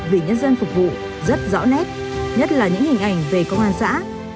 vì nhân dân phục vụ rất rõ nét nhất là những hình ảnh về công an xã